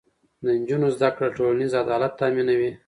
د نجونو زده کړه ټولنیز عدالت تامینوي.